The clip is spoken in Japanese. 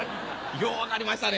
よう分かりましたね。